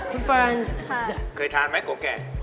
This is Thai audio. พี่เพิร่งซ์ค่ะเคยทานไหมโกแก่